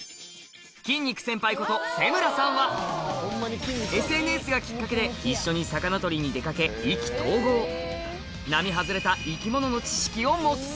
筋肉先輩ことＳＮＳがきっかけで一緒に魚取りに出掛け意気投合並外れた生き物の知識を持つ